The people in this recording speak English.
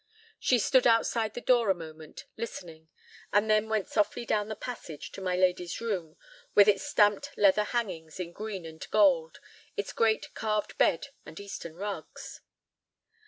She stood outside the door a moment, listening, and then went softly down the passage to my lady's room, with its stamped leather hangings in green and gold, its great carved bed and Eastern rugs.